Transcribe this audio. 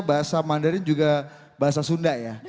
bahasa mandarin juga bahasa sunda ya